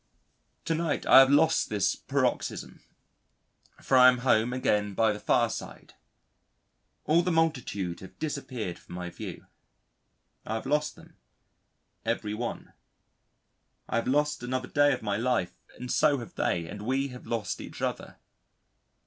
To night, I have lost this paroxysm. For I am home again by the fireside. All the multitude have disappeared from my view. I have lost them, every one. I have lost another day of my life and so have they, and we have lost each other.